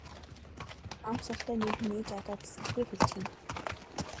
Ам султай нэг нь ээж аавдаа тэсгэлгүй хэлчихнэ.